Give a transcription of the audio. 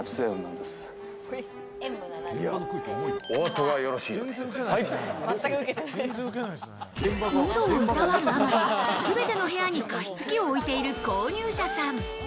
のどを労わるあまりすべての部屋に加湿器を置いている購入者さん。